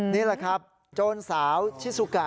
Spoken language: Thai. นี่แหละครับโจรสาวชิสุกะ